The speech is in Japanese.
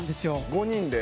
５人で？